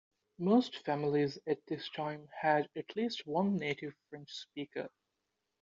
Most families at this time had at least one native French speaker.